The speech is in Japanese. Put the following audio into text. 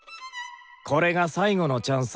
これが最後のチャンス